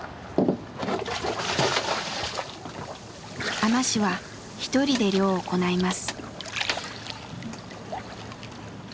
海士は一人で漁を行います。